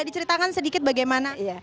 ceritakan sedikit bagaimana